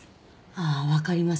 ああわかります。